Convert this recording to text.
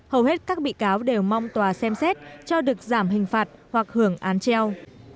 hầu hết các bị cáo đều mong tòa xem xét cho được giảm hình phạt hoặc hưởng án treo